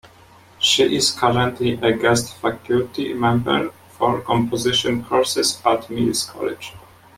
She is currently a guest faculty member for composition courses at Mills College.